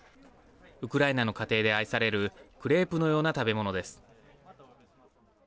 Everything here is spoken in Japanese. ウクライナの家庭で愛されるクレープのような食べ物です。